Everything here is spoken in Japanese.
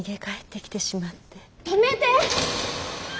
止めて！